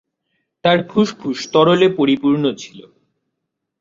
তার ফুসফুস তরলে পরিপূর্ণ ছিল।